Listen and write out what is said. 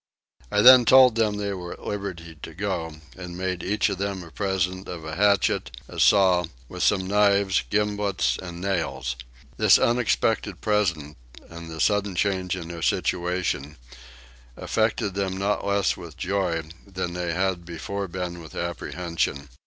I then told them they were at liberty to go, and made each of them a present of a hatchet, a saw, with some knives, gimblets, and nails. This unexpected present and the sudden change in their situation affected them not less with joy than they had before been with apprehension.